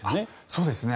そうですね。